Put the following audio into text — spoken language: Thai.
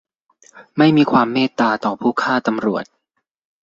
ไม่มีความเมตตาต่อผู้ฆ่าตำรวจ !